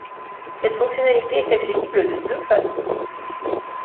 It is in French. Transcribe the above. Cette fonctionnalité est accessible de deux façons.